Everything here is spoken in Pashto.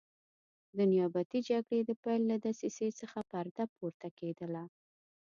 د نیابتي جګړې د پیل له دسیسې څخه پرده پورته کېدله.